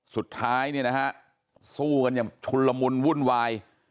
สุดท้ายเนี่ยนะฮะสู้กันอย่างชุนละมุนวุ่นวาย